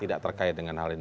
tidak terkait dengan hal ini